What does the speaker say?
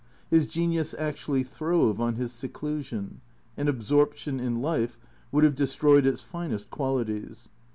His genius actually throve on his seclusion, and absorption in life would have destroyed its finest qualities.